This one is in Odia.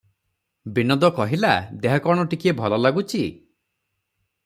ବିନୋଦ କହିଲା- "ଦେହ କଣ ଟିକିଏ ଭଲ ଲାଗୁଚି?